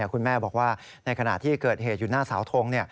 คุณแม่บอกว่าในขณะที่เกิดเหตุอยู่หน้าสาวทง